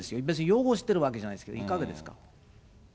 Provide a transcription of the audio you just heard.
別に擁護してるわけじゃないですけど、いかがですか？